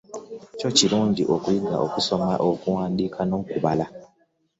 Kyo kirungi okuyiga okusoma, okuwandiika no kubala